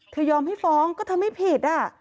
ยอมให้ฟ้องก็เธอไม่ผิด